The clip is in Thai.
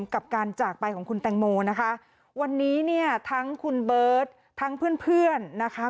กับการจากไปของคุณแตงโมนะคะวันนี้เนี่ยทั้งคุณเบิร์ตทั้งเพื่อนเพื่อนนะคะ